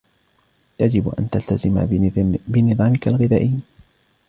يجب ان تلتزم بنظامك الغذائي.